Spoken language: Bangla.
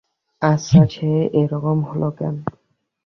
আচ্ছা, সে এ রকম হল কেন?